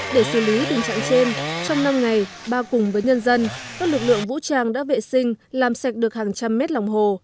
để xử lý tình trạng trên trong năm ngày ba cùng với nhân dân các lực lượng vũ trang đã vệ sinh làm sạch được hàng trăm mét lòng hồ